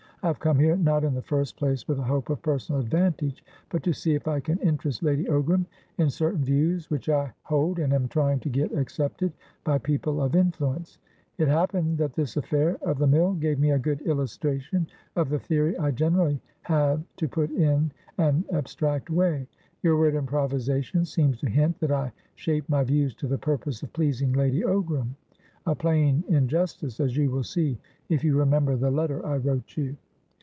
I have come here, not in the first place with a hope of personal advantage, but to see if I can interest Lady Ogram in certain views which I hold and am trying to get accepted by people of influence. It happened that this affair of the mill gave me a good illustration of the theory I generally have to put in an abstract way. Your word 'improvisation' seems to hint that I shaped my views to the purpose of pleasing Lady Ograma plain injustice, as you will see if you remember the letter I wrote you."